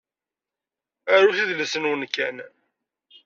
Arut, idles-nwen kan.